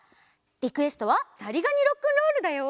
リクエストは「ざりがにロックンロール」だよ！